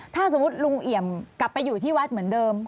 ถ้าสมมุติลุงเอี่ยมกลับไปอยู่ที่วัดเหมือนเดิม